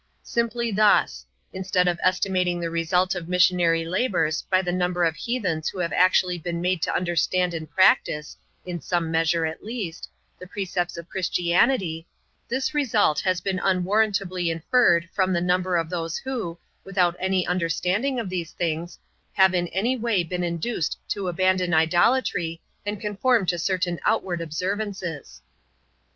Simply thus : instead of estimating the result of missionary labours by the number of heathens who have actually been made to understand and prac tise (in some measure at least) the precepts of Christianity, this result has been unwarrantably inferred from the number of those who, without any understanding of these things, have in any way been induced to abandon idolatry and conform to certain outward observances.